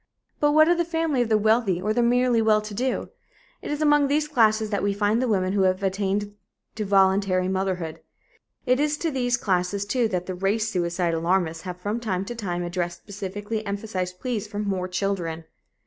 But what of the family of the wealthy or the merely well to do? It is among these classes that we find the women who have attained to voluntary motherhood. It is to these classes, too, that the "race suicide" alarmists have from time to time addressed specially emphasized pleas for more children.